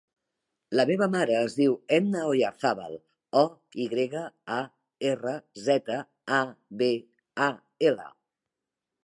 La meva mare es diu Edna Oyarzabal: o, i grega, a, erra, zeta, a, be, a, ela.